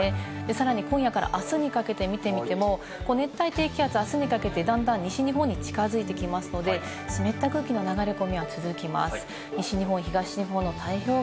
さらに今夜からあすにかけて見てみても、熱帯低気圧、あすにかけて段々、西日本に近づいてきますので、湿った空気の流れ込みが続きます。